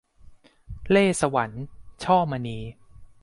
เล่ห์สวรรค์ - ช่อมณี